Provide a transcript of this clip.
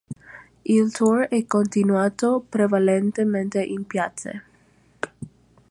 Il tour è continuato prevalentemente in piazze.